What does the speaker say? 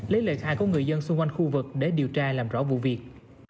lấy lệnh hại của người dân xung quanh khu vực để điều tra làm rõ vụ việc